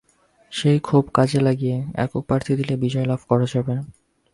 সেই ক্ষোভ কাজে লাগিয়ে একক প্রার্থী দিলেই বিজয় লাভ করা যাবে।